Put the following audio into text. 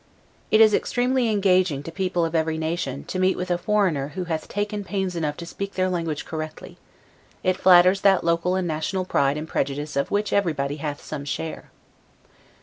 It is extremely engaging to people of every nation, to meet with a foreigner who hath taken pains enough to speak their language correctly; it flatters that local and national pride and prejudice of which everybody hath some share.